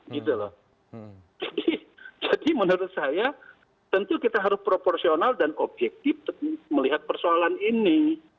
jadi menurut saya tentu kita harus proporsional dan objektif melihat persoalan ini